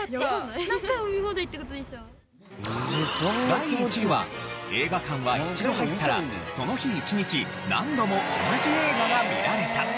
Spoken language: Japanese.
第１位は映画館は一度入ったらその日一日何度も同じ映画が見られた。